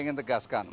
saya ingin tegaskan